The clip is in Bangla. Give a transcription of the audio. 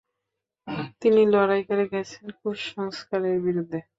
তিনি লড়াই করে গেছেন কুসংস্কারের বিরুদ্ধে।